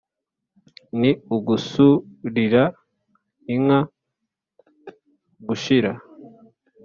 ni ugusurira inka gushira